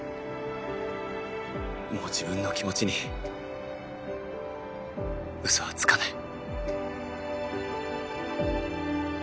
もう自分の気持ちに嘘はつかない。